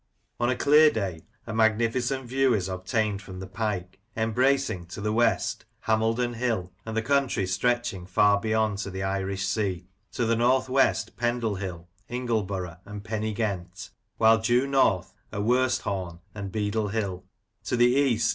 On a clear day a magnificent view is 74 Lancashire Characters and Places. obtained from the Pike, embracing, to the west, Hameldon Hill, and the country stretching far beyond to the Irish Sea ; to the north west, Pendle Hill, Ingleborough, and Penny ghent ; while due north are Worsthorn and Beadle Hill ; to the east.